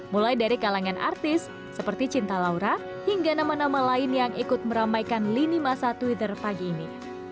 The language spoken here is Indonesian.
mulai dari kalangan artis seperti cinta laura hingga nama nama lain yang ikut meramaikan lini masa twitter pagi ini